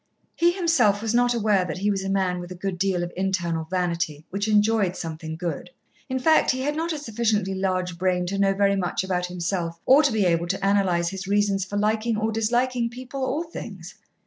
He himself was not aware that he was a man with a good deal of internal vanity which enjoyed soothing food. In fact, he had not a sufficiently large brain to know very much about himself or to be able to analyse his reasons for liking or disliking people or things.